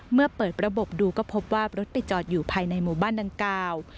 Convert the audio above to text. เมื่อเปิดระบบดูก็พบว่ารถไปจอดอยู่ภายในหมู่บ้านดังกล่าว